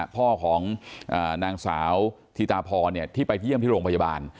พ่อของนางสาวธิตาพรที่ไปเยี่ยมที่โรงพยาบาล